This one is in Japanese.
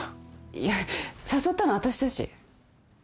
いや誘ったのあたしだし。